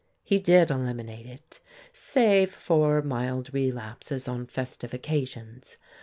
He did eliminate it, save for mild relapses on festive occasions.